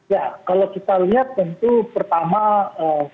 ya kalau kita lihat tentu pertama